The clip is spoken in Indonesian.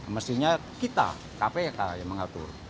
mestinya kita kpk yang mengatur